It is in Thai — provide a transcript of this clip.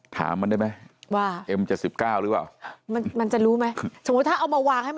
ถามมันได้ไหมว่ามเจอ๑๙หรือว่ามันจะรู้ไหม